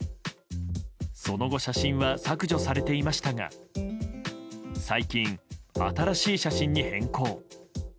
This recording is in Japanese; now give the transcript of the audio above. その後、写真は削除されていましたが最近、新しい写真に変更。